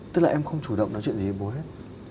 tức là em không chủ động nói chuyện gì bố hết